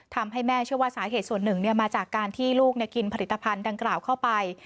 ทำให้แม่เชื่อว่าสาเหตุส่วนหนึ่งมาจากการที่ลูกกินผลิตภัณฑ์ดังกล่าวเข้าไป